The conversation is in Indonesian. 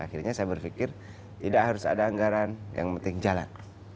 akhirnya saya berpikir tidak harus ada anggaran yang penting jalan